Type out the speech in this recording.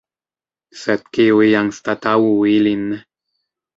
Sed kiuj anstataŭu ilin?